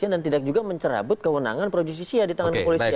dan tidak juga mencerabut kewenangan projesisi ya di tangan kepolisian